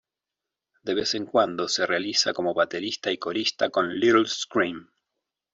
De vez en cuando se realiza como baterista y corista con Little Scream.